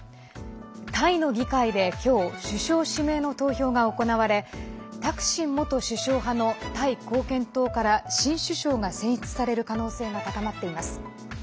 タイの議会で今日首相指名の投票が行われタクシン元首相派のタイ貢献党から新首相が選出される可能性が高まっています。